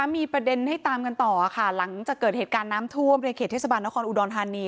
มีประเด็นให้ตามกันต่อค่ะหลังจากเกิดเหตุการณ์น้ำท่วมในเขตเทศบาลนครอุดรธานี